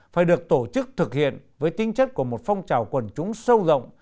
phải được tổ chức thực hiện với tính chất của một phong trào quần chúng sâu rộng